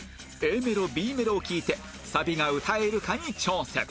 Ａ メロ・ Ｂ メロを聴いてサビが歌えるかに挑戦